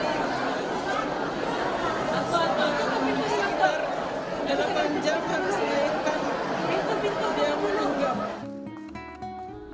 setelah sekitar delapan jam harus dihajarkan dia menunggang